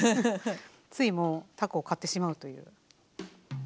ついもうたこを買ってしまうという。